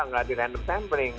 enggak di random sampling